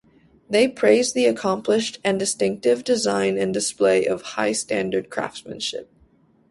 They praised the "accomplished and distinctive design" and display of "high standard craftsmanship".